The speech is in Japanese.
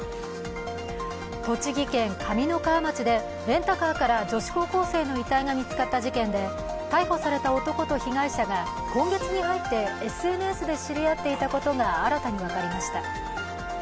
栃木県上三川町でレンタカーから女子高校生の遺体が見つかった事件で、逮捕された男が被害者と今月に入ってＳＮＳで知り合っていたことが新たに分かりました。